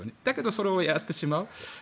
だけどそれをやってしまう。